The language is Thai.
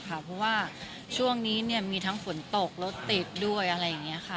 เพราะว่าช่วงนี้มีทั้งฝนตกรถติดด้วยอะไรอย่างนี้ค่ะ